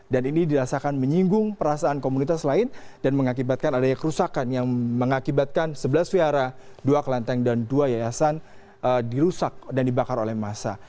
dan ini dirasakan menyinggung perasaan komunitas lain dan mengakibatkan adanya kerusakan yang mengakibatkan sebelas vihara dua kelenteng dan dua yayasan dirusak dan dibakar oleh massa